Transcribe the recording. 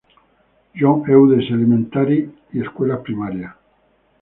John Eudes Elementary y escuelas primarias.